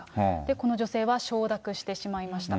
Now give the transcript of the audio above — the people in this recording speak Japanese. この女性は承諾してしまいました。